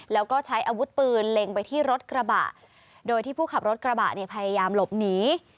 แล้วก็ใช้อาวุธปืนเล็งไปที่รถกระบะโดยที่ผู้ขับรถกระบะเนี่ยพยายามหลบหนี